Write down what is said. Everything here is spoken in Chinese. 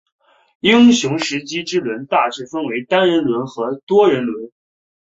英雄时机之轮大致分为单人轮和多人轮。